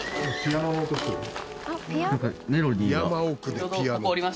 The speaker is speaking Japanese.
山奥でピアノ。